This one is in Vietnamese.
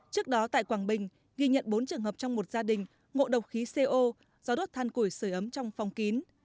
trước đó tại quảng bình ghi nhận bốn trường hợp trong một gia đình ngộ độc khí co do đốt than củi sửa ấm trong phòng kín